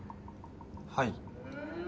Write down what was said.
はい。